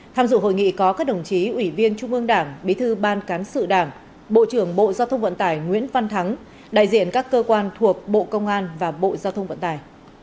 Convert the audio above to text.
tham dự hội nghị có các đồng chí ủy viên trung ương đảng bí thư ban cán sự đảng bộ trưởng bộ giao thông vận tải nguyễn văn thắng đại diện các cơ quan thuộc bộ công an và bộ giao thông vận tài